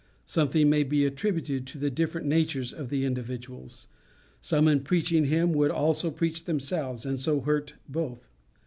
Something may be attributed to the different natures of the individuals; some in preaching him would also preach themselves, and so hurt both.